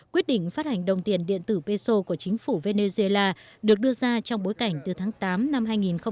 quyết định phát hành đồng tiền điện tử peso của chính phủ venezuela được đưa ra trong bối cảnh từ tháng tám năm hai nghìn một mươi tám